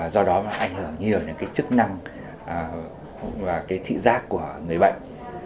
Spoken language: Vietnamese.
do đó ảnh hưởng nhiều đến chức năng và thị giác của người bệnh